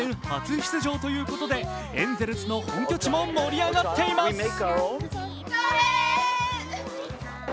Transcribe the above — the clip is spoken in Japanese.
初出場ということで、エンゼルスの本拠地も盛り上がっています。